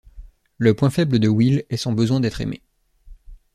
Le point faible de Will est son besoin d'être aimée.